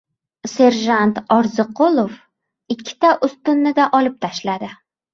Serjant Orziqulov ikkita ustunnida olib tashladi.